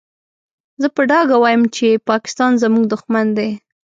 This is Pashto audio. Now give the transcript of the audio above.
زه په ډاګه وايم چې پاکستان زموږ دوښمن دی.